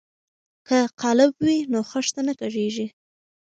که قالب وي نو خښته نه کږیږي.